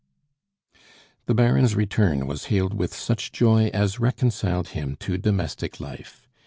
The Baron's return was hailed with such joy as reconciled him to domestic life.